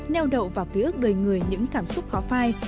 neo đậu vào ký ức đời người những cảm xúc khó phai